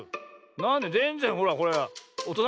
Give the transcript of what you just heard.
なんでぜんぜんほらこれはおとなしいから。